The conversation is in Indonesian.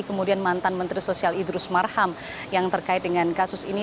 kemudian mantan menteri sosial idrus marham yang terkait dengan kasus ini